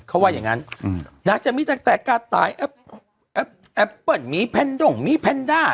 เขาว่าอย่างนั้นนางจะมีตั้งแต่กาต้ายแอปแอปเปิ้ลมีแพนด้งมีแพนด้า